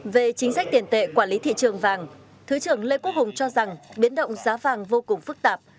về chính sách tiền tệ quản lý thị trường vàng thứ trưởng lê quốc hùng cho rằng biến động giá vàng vô cùng phức tạp